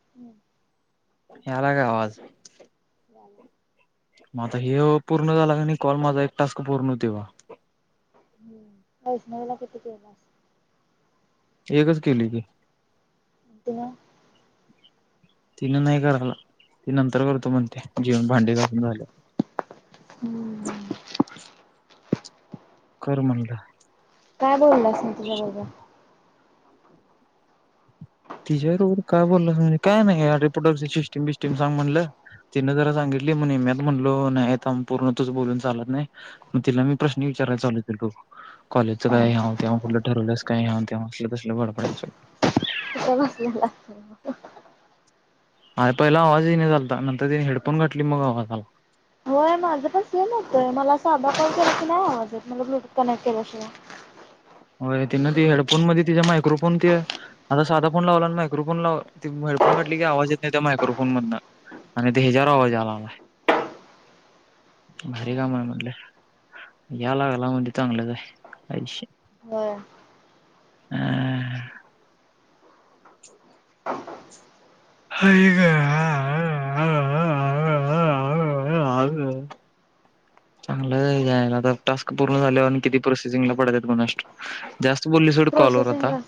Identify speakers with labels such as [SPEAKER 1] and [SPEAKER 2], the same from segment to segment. [SPEAKER 1] [unintelligible]
[SPEAKER 2] याला आवाज..
[SPEAKER 1] जाला
[SPEAKER 2] मग आता हे पूर्ण झाला नाही कॉल माझा एक टास्क पूर्ण तेव्हा...
[SPEAKER 1] हम्म वैष्णवला किती केलास..
[SPEAKER 2] एकच केली की..
[SPEAKER 1] अतीन
[SPEAKER 2] तिनं नाही कराला.. ती नंतर करतो म्हणते जेवून भांडी घासून झालं.
[SPEAKER 1] हम्म
[SPEAKER 2] कर म्हणलं
[SPEAKER 1] काय बोललं असेल तुझ्याबरोबर...
[SPEAKER 2] तिच्या बरोबर काय बोलला म्हणजे काय नाही रिप्रॉडक्टिव्ह सिटीम बिस्टीम सांग म्हणलं तिने जरा सांगितलं... म्हणे मी आ म्हणलो नाही आ पूर्ण त बोलून चालत नाहीग तिला मी प्रश्न विचारयचाल.. कॉलेजचं काय ह्याव तेव्हा कुलं ठरवलंच काय ह्याव तेव्हा असलं तसलं गडपड्यांचं..
[SPEAKER 1] त बसल्या लात..
[SPEAKER 2] अरे पहिला आवाजही नाही चालता नंतर तिने हेडफोन घातली मग आवाजाला...
[SPEAKER 1] होय माझं पण सेम होतोय मला.. कॉल केला की नाही आवाजेत म ब्लूटूथ कनेक्ट केलाशिवाय...
[SPEAKER 2] हो तिन ती हेडफोन मध्ये तिच्या मायक्रोफोन त.. आता साधा फोन लावला आणि मायक्रोफोन लाव हेडफोन गाटली की आवाज य नाही त्या मायक्रोफोन मधून... आणि ते ह्याच्यावर आवाज यायलाल भारी काम आहे म्हटले... यालागला म्हणती चागलं का काय
[SPEAKER 1] होय
[SPEAKER 2] हम् ह हम्म चांगलंला आता टास्क पूर्ण झाल्यावर किती प्रोसेसिंग ला पडतेत कुणास ठाऊक... बोलली सोड कॉलवर आता
[SPEAKER 1] प्रोसेसिंगला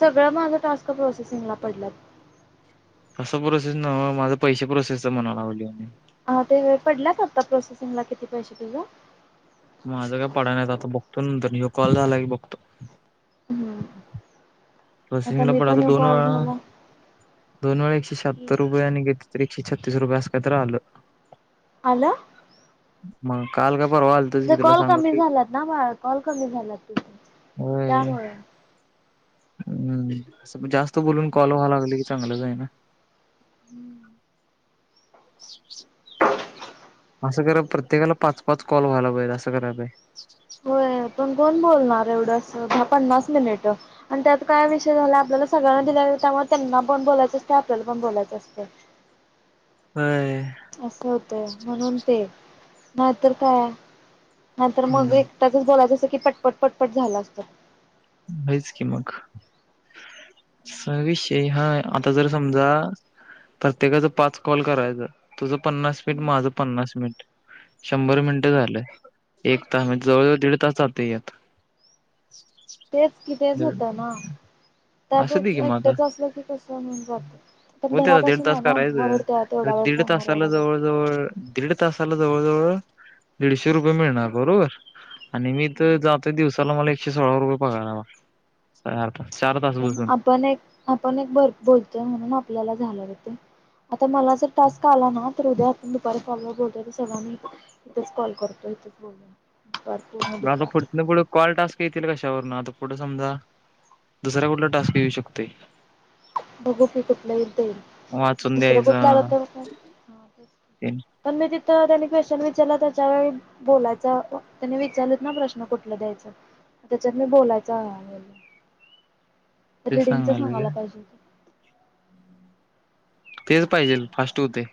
[SPEAKER 1] सगळं माझं टास्क प्रोसेसिंगला पडलात.
[SPEAKER 2] कस प्रोसेस नव माझा पैसे प्रोसेस तर म्हणा लागलोय.
[SPEAKER 1] ह ते पडल्यात आता प्रोसेसिंगला किती पैसे तझ.
[SPEAKER 2] माझं काय पडा नाही आता बघतो नंतर कॉल झाला की बघतो.
[SPEAKER 1] हम्म आता
[SPEAKER 2] प्रसिंगला
[SPEAKER 1] मी
[SPEAKER 2] पडा तर
[SPEAKER 1] पण एक
[SPEAKER 2] दोन
[SPEAKER 1] कॉल
[SPEAKER 2] वेळा...
[SPEAKER 1] झाला
[SPEAKER 2] दोन वेळा एकशे
[SPEAKER 1] की
[SPEAKER 2] शहत्तर रुपयाे आणि घेतले तर एकशे छत्तीस रुपये अस का तर आलं...
[SPEAKER 1] आलं..
[SPEAKER 2] म काल का.. परवा आलतच
[SPEAKER 1] तुझ
[SPEAKER 2] की तुला
[SPEAKER 1] कॉल कमी
[SPEAKER 2] सांगितलोय की.
[SPEAKER 1] झालात ना कॉल कमी झालात तुझं..
[SPEAKER 2] व्हय. हुं जास्त बोलून कॉल व्हा लागल की चांगलंच आहे ना. [unintelligible] असं करा प्रत्येकाला पाच पाच कॉल व्हायला पाहिजेल असं करायला पाहिजेल.
[SPEAKER 1] होय पण कोण बोलणार? एवढ अस पन्नास मिनिट आणि त्यात काय विषय झाला आपल्याला सगळ्यांना दिल्यालीत त्यामुळे त्यांना पण बोलायचं असतय आपल्याला पण बोलायचं असतंय.
[SPEAKER 2] व्हय.
[SPEAKER 1] असं होतंय, म्हणून ते नाहीतर काय नाहीतर मग
[SPEAKER 2] हम्म
[SPEAKER 1] एकटच बोलायचं असं की पटपट पटपट झालं असतं.
[SPEAKER 2] व्हायच की मग सविष कि हा आता जर समजा प्रत्येकाचा पाच कॉल करायचं तुझं पन्नास मिनिट माझं पन्नास मिनिट शंभर मिनिटं झालं, एक तास म्हणजे जवळ जवळ दीड तास जातय ह्यात.
[SPEAKER 1] तेच की तेच होतंय ना,
[SPEAKER 2] असू दे की
[SPEAKER 1] त्यापेक्षा एकट्याच असल कसं होऊन जातंय.
[SPEAKER 2] होत आता दीड तास करायचं,
[SPEAKER 1] वेळ
[SPEAKER 2] दीड
[SPEAKER 1] फोनवर
[SPEAKER 2] तासाला
[SPEAKER 1] एवढा वेळ
[SPEAKER 2] जवळ जवळ दीड तासाला जवळ जवळ दिडशे रुपये मिळणार बरोबर, आणि मी इथं जातोय दिवसाला मला इथं एकशे सोळा रुपये पगार हाय मला चार तास चार तास बसून
[SPEAKER 1] आपण एक आपण एक बर बोलतोय म्हणून आपल्याला झालं रे ते तर मला जर टास्क आला ना तर उद्या दुपारी कॉलवर बोलतोय तर सगळांना इथच कॉल करतो इथच बोलूया.
[SPEAKER 2] पण हितंन पुढं आता कॉल टास्क येतील कशावरून आता कुठ समजा दुसरा कुठला टास्क येऊ शकतोय.
[SPEAKER 1] बघू की कुठलं ईल ते ईल,
[SPEAKER 2] वाचून
[SPEAKER 1] दुसरं
[SPEAKER 2] द्यायचा
[SPEAKER 1] कुठलं आलंत तर मग काय
[SPEAKER 2] ते
[SPEAKER 1] पण मी तर त्यांनी क्वेशन विचारला त्याच्या वर बोलायच, त्यानी विचारलत ना प्रश्न कुठला द्यायच? त्याच्यात मी बोलायच आहे.
[SPEAKER 2] ते सांगालोय
[SPEAKER 1] पाहिजे होत.
[SPEAKER 2] तेच पाहिजेल फास्ट हुतय.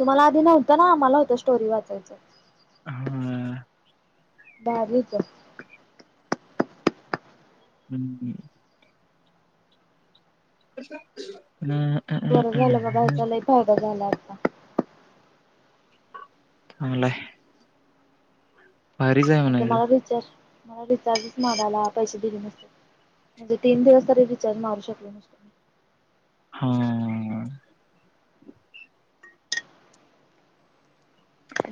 [SPEAKER 1] तुम्हाला आधी नव्हतं ना आम्हाला होतं स्टोरी वाचायचं.
[SPEAKER 2] हा.
[SPEAKER 1] भारी हुतं.
[SPEAKER 2] हुं हुं. कस [unintelligible] [inaudible]
[SPEAKER 1] बरं झालं बाबा हेचा लई फायदा झाला अता
[SPEAKER 2] चांगलय
[SPEAKER 1] आता मला रिचार्ज मला रिचार्जच मारायला पैसे दिले नसते. म्हणजे तीन दिवस तरी रिचार्ज मारू शिकलो नसतो.
[SPEAKER 2] हा. हा.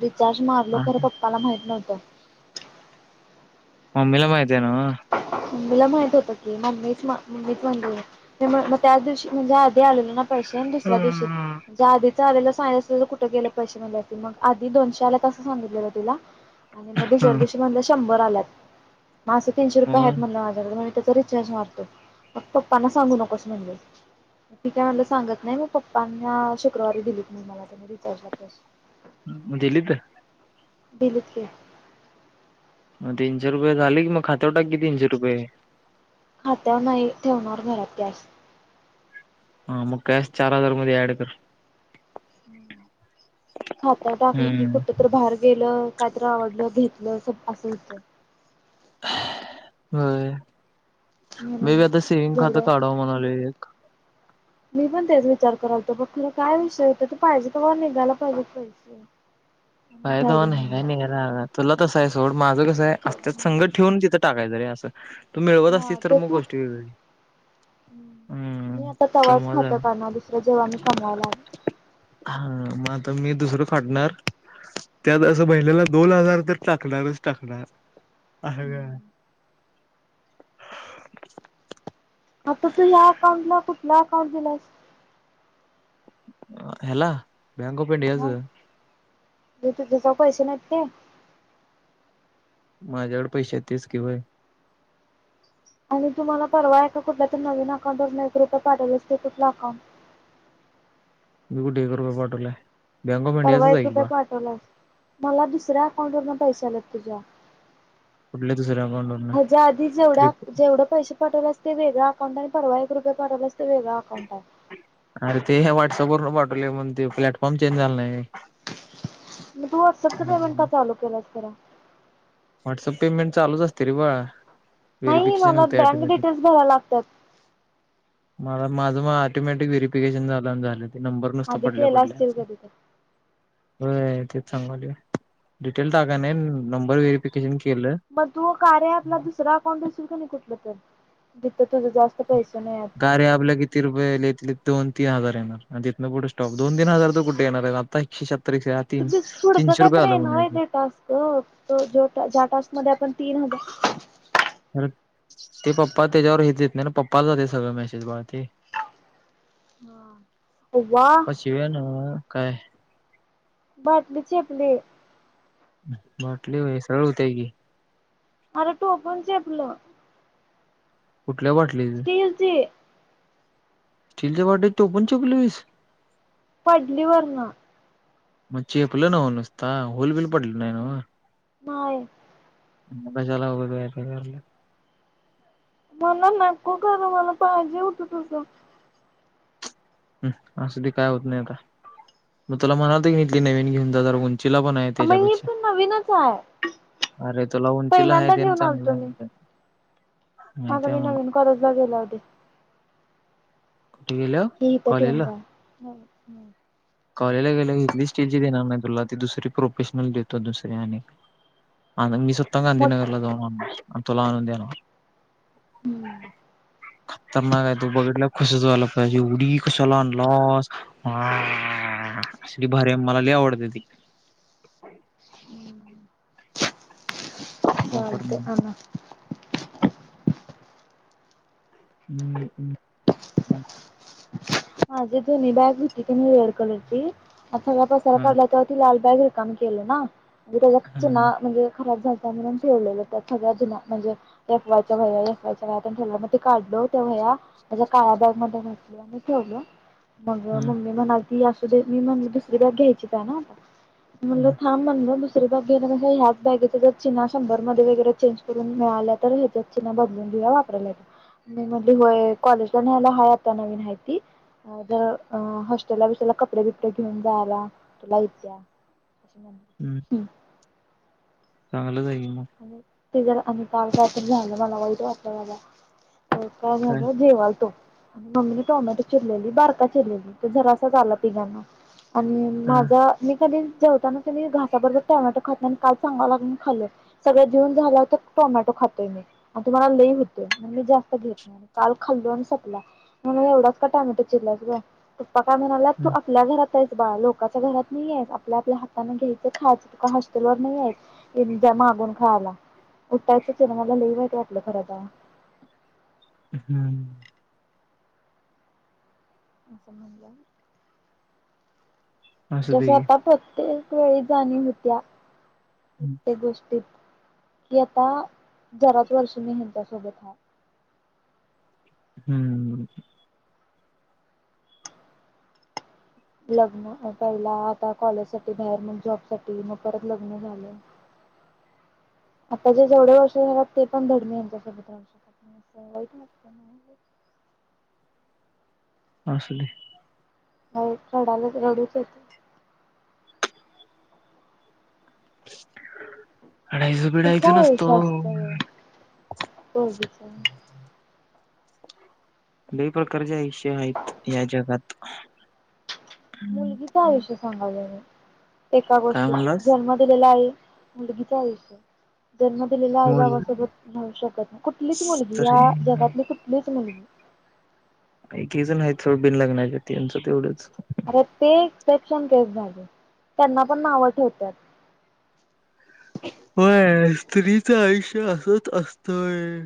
[SPEAKER 1] रिचार्ज मारलो खरं पप्पाला माहित नव्हत.
[SPEAKER 2] मम्मी ला माहिताय न्हव
[SPEAKER 1] मम्मीला माहित होतं की, मम्मीच मम्मीच म्हणली मी म्हणलं त्याच दिवशी म्हणजे आधी आलेलं ना पैशे आणि दुसऱ्या दिवशी ते आधीच पैशे आलेलं सागितलं असत तर कुठं गेलं पैसे म्हणली असती, मग आधी दोनशे आल्यात अस सांगितलेलं तिला आणि मग दुसऱ्या
[SPEAKER 2] ना
[SPEAKER 1] दिवशी म्हणलं शंभर आल्यात, म असं तीनशे रुपये आहेत म्हणलं माझ्याकड त्याचा रिचार्ज मारतो, मग पप्पना सांगू नकोस म्हणली ठीक आहे म्हणलं सांगत नाही, मग पप्पांना शुक्रवारी दिलीत मी मला मग रिचार्ज ला पैशे
[SPEAKER 2] मग दिलीत
[SPEAKER 1] दिलत की.
[SPEAKER 2] मग तीनशे रुपये झाले की मग खात्यावर टाक की तीनशे रुपये
[SPEAKER 1] आत्या नाही ठेवणार घरा त्यास
[SPEAKER 2] हा मग कॅश चार हजार मध्ये ऍड कर
[SPEAKER 1] खाता टाकली की
[SPEAKER 2] हम्म
[SPEAKER 1] कुठं तर बाहेर गेलं काही तरी आवडलं घेतलं असं पास होतं.
[SPEAKER 2] होय.
[SPEAKER 1] म्हणून जेवढं मी पण तेच विचार करालतो बघ तिला विषय होेतं ते पाहिजे [unintelligible] निघायला पाहिजेत पैशे
[SPEAKER 2] फायदा हो नाही काय नाही [unintelligible] तुला तसं आहे सोड माझं कसं आहे असतत संगत ठेवून तिथं टाकायं जरी असं तू मिळवत
[SPEAKER 1] हा
[SPEAKER 2] असतीस तर मग
[SPEAKER 1] तू
[SPEAKER 2] गोष्टी वेगवेगळी
[SPEAKER 1] मी आता तेव्हाच
[SPEAKER 2] आहे
[SPEAKER 1] खातं करणार दुसरा जेव्हा मी कमवाय लाग
[SPEAKER 2] हा मग आता मी दुसरं फाडणार त्यात असं महिनेला दोन हजार तर टाकणारच टाकणार. आ हा काय
[SPEAKER 1] आता तू ह्या अकाउंटला कुठला अकाउंट दिला आहेस?
[SPEAKER 2] ह्याला बँँक ऑफ इंडियाचा
[SPEAKER 1] जे तुझा पैशे नायत ते
[SPEAKER 2] माझ्याकडे पैशे तेच किवाय
[SPEAKER 1] आणि तुम्हाला परवा आहे का कुठल्या तररी नवीन अकाउंट दून एक रुपये पाठवलचते कुठला अकाउंट
[SPEAKER 2] मी कुठे एक रुपया पाठवलाय? बँक ऑफ
[SPEAKER 1] परवा
[SPEAKER 2] इंडियाचच
[SPEAKER 1] एक
[SPEAKER 2] आहे की
[SPEAKER 1] रुपया
[SPEAKER 2] बा
[SPEAKER 1] पाठवलायस मला दुसऱ्या अकाउंट वरनं पैशे आल्यात तुझ्या.
[SPEAKER 2] कुठल्या दुसऱ्या अकाउंट वरन
[SPEAKER 1] हेज्या आधी जेवढ्या जेवढं पैशे पाठवलास ते वेगळा अकाउंट आहे, परवा एक रुपया पाठवलास
[SPEAKER 2] अरे ते ह्या व्हॉट्सअप वरून पाठवले म्हण ते प्लॅटफॉर्म चेंज झालं नाही.
[SPEAKER 1] मग तू व्हॉट्सअपचा
[SPEAKER 2] आणि
[SPEAKER 1] पेमेंट का चालू केलाय खरा?
[SPEAKER 2] व्हॉट्सअप पेमेंट चालूच असते रे बाळा.
[SPEAKER 1] नाही
[SPEAKER 2] व्हेरिफिकेशन
[SPEAKER 1] मला
[SPEAKER 2] होते
[SPEAKER 1] बँक
[SPEAKER 2] ऑटोमॅटिक
[SPEAKER 1] डिटेल्स भरा लागतात.
[SPEAKER 2] मला माझं मग ऑटोमॅटिक व्हेरीफिकेशन झालं होऊन झालेत. ते नंबर नुसता
[SPEAKER 1] आधी
[SPEAKER 2] पडल्या
[SPEAKER 1] केला
[SPEAKER 2] पडल्या
[SPEAKER 1] असतील कधी तर
[SPEAKER 2] होय तेच चांगलय डिटेल टा
[SPEAKER 1] मग तू कार्या ऐपला दुसरा
[SPEAKER 2] कार्या ऐपला किती रुपये लेतले दोन तीन हजार येणार आणि तिथनं पुढे स्टॉप दोन तीन हजार तर कुठे येणार आता एकशे श
[SPEAKER 1] पुढचं काय तर येणार आहे ते
[SPEAKER 2] म्हणायचं
[SPEAKER 1] टास्क त ज ज्या टास्क मध्ये आपण तीन हजार
[SPEAKER 2] अरं ते पप्पा त्याच्यावर हेच येत नाही ना पप्पाला जाते सगळं मेसेज बाय ते.
[SPEAKER 1] हा. वा
[SPEAKER 2] पशी आहे ना काय?
[SPEAKER 1] बाटलीचेपली
[SPEAKER 2] बाटली वयसळ होते की.
[SPEAKER 1] अरे टोपूनचेपलं
[SPEAKER 2] कुठल्या बाटलीच
[SPEAKER 1] स्टील ची
[SPEAKER 2] स्टीलच्या बॉटल तो पण चोपलइस?
[SPEAKER 1] पडली वरनं
[SPEAKER 2] मग चेपलं न हो नुसता होलबिल पडले नाही ना हो.
[SPEAKER 1] नाही
[SPEAKER 2] कशाला. [unintelligible]
[SPEAKER 1] मला नको खरं मला पाहिजे होतं तुझा
[SPEAKER 2] हम्म असू दे काय होत नाही आता मग तुला महाणलतं की इथली नवीन घेऊन जा जरा उन चीला पण आहे
[SPEAKER 1] मग हे
[SPEAKER 2] त्याच्यापेक्षा
[SPEAKER 1] पण नवीनच आहे
[SPEAKER 2] अरे तुला उंचीला आहे
[SPEAKER 1] पहिल्यांदा
[SPEAKER 2] तेन
[SPEAKER 1] घेऊन
[SPEAKER 2] चांगला
[SPEAKER 1] आलतो मी
[SPEAKER 2] आहे
[SPEAKER 1] आता
[SPEAKER 2] माहिती
[SPEAKER 1] मी
[SPEAKER 2] आहे
[SPEAKER 1] नवीन कॉलेजला गेला होते.
[SPEAKER 2] कुठं गेलो?
[SPEAKER 1] हे इथं ठेऊून जा
[SPEAKER 2] कॉलेजला गेला इथली स्टीलची देणार नाही तुला ती दुसरी प्रोफेशनल देतो दुसऱ्या आणि आणन मी स्वतः
[SPEAKER 1] मग
[SPEAKER 2] गांधीनगरला जाऊन आणणार तुला आणून देणार.
[SPEAKER 1] हम्म
[SPEAKER 2] खतरनाक आहे ते बघितल्यावर खुशच व्हायला पाहिजे एवढी कशाला आणलास हाहाहा हा असली भारी हाय मला लय आवडतय ती वापर
[SPEAKER 1] चालतंय
[SPEAKER 2] म्हणून.
[SPEAKER 1] आणा
[SPEAKER 2] हम्म हम् हम्
[SPEAKER 1] माझी जुनी बॅग होती कणी रेड कलरची आता सगळा पसारा
[SPEAKER 2] हा
[SPEAKER 1] काढला तेव्हा ती लाल बॅग रिकामी केली ना म्हणजे त्याज्यात चिना
[SPEAKER 2] हा
[SPEAKER 1] म्हणजे खराब झाल म्हणून ठेवलेलं त्या सगळ्या जुन्या म्हणजे एफ वाय च्या वया एस वाय च्या वह्या तेण ठेवलेलं म ते काढल त्या वह्या वह्या माझ्या काळया बॅगमध्ये घातले आणि ठेवलं मग
[SPEAKER 2] हा
[SPEAKER 1] मम्मी म्हणालती असुदे मी म्हणलं दुसरी बॅग घ्यायचीच हाय ना आता मी म्हणलं
[SPEAKER 2] हा
[SPEAKER 1] थांब म्हणलं नुस दुसरी बॅग घेण्यापेक्षा ह्याच बॅगेच्या जर चिन्या शंभर मध्ये वगैरे चेंज करून मिळाल्या तर हेझ्याच चीना बदलून घेऊ तिला वापरायला मी म्हणलो होय कॉलेजला न्यायला हाय आता नवीन हाय ती जर हॉस्टेलला बीस्टीलेला तुला कपडे बिपडे घेऊन जायाला तुला येत्या अशी
[SPEAKER 2] हम्म
[SPEAKER 1] मम्मी हम्
[SPEAKER 2] चांगलंच आहे की, मग
[SPEAKER 1] आणि ते जरा आणि काल रात्री झालं बघा वाईट वाटलं मला हो काय झालं जेवायलतो मम्मीने टोमॅटो चिरलेली बारका चिरलेली तो जरासाच आला तिघांना आणि
[SPEAKER 2] हा
[SPEAKER 1] माझा मी कधी जेवताना कणी घासाबरर टोमॅटो खात नाय आणि काल सांगालय म्हणून खाल्लं सगळ जेवून झाल्यावर त टोमॅटो खातोय मी आणि तो मला लई होतोय म्हणून मी जास्त घेत नाय आणि काल खाल् दोन संपला म्हणून एवढाच का टोमॅटो चिरलास ग पप्पा काय म्हणाल्यात तू
[SPEAKER 2] हम्म
[SPEAKER 1] आपल्या घरात हाईस बाळा लोकांच्या घरात नाहीयेस आपल्या आपल्या हाताने घ्यायचं खायचं तू काय हॉस्टेलवर नाही येस येणं मागुण खायला उठायचं तेण मला लय वाईट वाटलं खरं तवा
[SPEAKER 2] हम्म
[SPEAKER 1] समजलं
[SPEAKER 2] असू
[SPEAKER 1] जस
[SPEAKER 2] दे की
[SPEAKER 1] आता प्रत्येक वेळी जाणीव होत्या
[SPEAKER 2] हम्म
[SPEAKER 1] प्रत्येक गोष्टीत की आता जराच वर्ष मी ह्यांच्यासोबत हाय
[SPEAKER 2] हम्म
[SPEAKER 1] लग्न पहिला आता कॉलेज साठी बाहेर मग जॉब साठी मग परत लग्न झालं.
[SPEAKER 2] [inaudible]
[SPEAKER 1] आता जे जेवढे वर्ष रायल्यात ते पण धड मी यांच्या सोबत राहू शकत नाय. अस वाईट वाटतं मला लय
[SPEAKER 2] [inaudible] असुदे
[SPEAKER 1] रडालाच रडूच येत
[SPEAKER 2] [inaudible] रडायचं
[SPEAKER 1] कसं
[SPEAKER 2] बीडायचं नसतं
[SPEAKER 1] आयुष्य
[SPEAKER 2] हो
[SPEAKER 1] असतं पोरगीच
[SPEAKER 2] लय प्रकारचे आयुष्य हायेत या जगात
[SPEAKER 1] मुलगीच आयुष्य सांगा बरं एका
[SPEAKER 2] काय
[SPEAKER 1] गोष्टीत
[SPEAKER 2] म्हणलास
[SPEAKER 1] जन्म दिलेला आई मुलगीच आयुष्य जन्म दिलेल्या आई
[SPEAKER 2] मुल
[SPEAKER 1] बाबासोबत राहू शकत नाही कुठलीच मुलगी या
[SPEAKER 2] तरी
[SPEAKER 1] जगातली कुठलीच मुलगी
[SPEAKER 2] एकेक जण आहे सोड बिन लग्नाच्या त्यांचं तेवढंच
[SPEAKER 1] अरे ते सेक्शन केस झाले. त्यांना पण नाव ठेवत्यात.
[SPEAKER 2] होय स्त्रीचं आयुष्य असच असतय.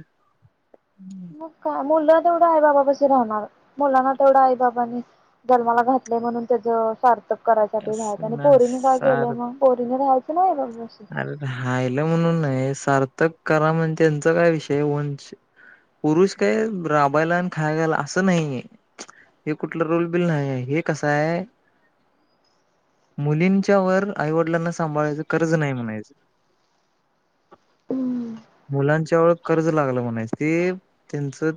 [SPEAKER 1] मग काय मुलं तेवढं आई बाबापशी राहणार मुलांना तेवढा आईबाबांनी जन्माला घातलेय म्हणून त्याचं सार्थक करायसाठी रायचं आणि
[SPEAKER 2] असं ना
[SPEAKER 1] पोरीने काय
[SPEAKER 2] सार
[SPEAKER 1] केलंय मग पोरीने राहायचं आईबाबा
[SPEAKER 2] अरे राहिलं म्हणून नाही सार्थक करा म्हणजे त्यांचा काय विषय आहे वंश पुरुष काय राबायला आणि खायाला असं नाहीये. हे कुठलं रोल बिल नाही हे कस आहे. मुलींच्या वर आईवडिलांना सांभाळायचं कर्त र्ज नाही म्हणायचं.
[SPEAKER 1] हम्म.
[SPEAKER 2] मुलांच्यावर कर्ज लागलं म्हणे ते त्यांचं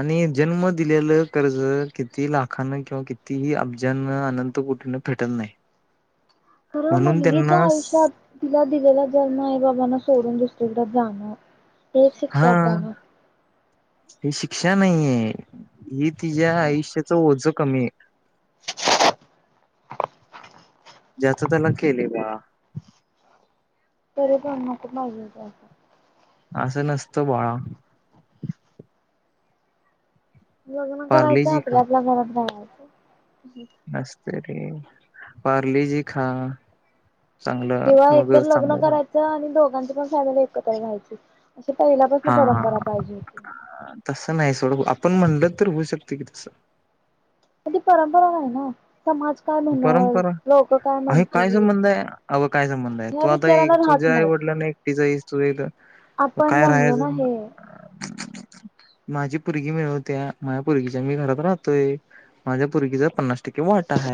[SPEAKER 2] आणि जन्म दिलेलं कर्ज किती लाखांना किंवा कितीही अब्जांना अनंत कुठन फेटत नाही.
[SPEAKER 1] कारण
[SPEAKER 2] म्हणून
[SPEAKER 1] मुलगीच्या
[SPEAKER 2] त्यांना
[SPEAKER 1] आयुष्यात
[SPEAKER 2] स-
[SPEAKER 1] तिला दिलेला जन्म आई बाबांना सोडून दुसरीकडे जाणं. ते जाण.
[SPEAKER 2] ही शिक्षा नाहीये ही तिच्या
[SPEAKER 1] कृष्णा
[SPEAKER 2] आयुष्याच ओझ कमी आहे.
[SPEAKER 1] [unintelligible]
[SPEAKER 2] ज्याच त्याला केले बाळा
[SPEAKER 1] तरी त्यांना खूप
[SPEAKER 2] असं नसत बाळा
[SPEAKER 1] लग्न करायचं
[SPEAKER 2] पार्लेजी
[SPEAKER 1] आपल्या आपल्या घरात राहायचं.
[SPEAKER 2] मस्त रे पारले जी खा चांगलं
[SPEAKER 1] किंवा
[SPEAKER 2] मग
[SPEAKER 1] एकूण लग्न
[SPEAKER 2] चांगलं
[SPEAKER 1] करायचं आणि दोघांची पण फॅमिली एकत्र राहायची. अशी पहिल्यापासून
[SPEAKER 2] हा
[SPEAKER 1] परंपरा पाहिजे होती.
[SPEAKER 2] पण म्हणलं तर होऊ शकते की तसं
[SPEAKER 1] पण ती परंपरा आहे ना. समाज काय म्हणल
[SPEAKER 2] परंपरा
[SPEAKER 1] लोक काय
[SPEAKER 2] आहे काय
[SPEAKER 1] म्हणतील
[SPEAKER 2] संबंध आहे अवं काय संबंध आहे
[SPEAKER 1] या
[SPEAKER 2] तू आता
[SPEAKER 1] विचारांना
[SPEAKER 2] एक
[SPEAKER 1] राहत.
[SPEAKER 2] तुझ्या
[SPEAKER 1] नाहीत
[SPEAKER 2] आईवडिलांना ना.
[SPEAKER 1] आपण म्हणलो ना हे.
[SPEAKER 2] [unintelligible] माझी पोरगी मिळवते माझ्या पोरगीच्या मी घरात राहतोय माझ्या पोरगीचा पन्नास टक्के वाटा आहे.